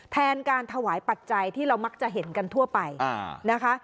แทนการถวายปัจจัยที่เรามักจะเห็นกันทั่วไปนะคะ